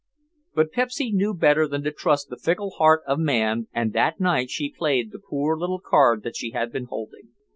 But Pepsy knew better than to trust the fickle heart of man and that night she played the poor little card that she had been holding.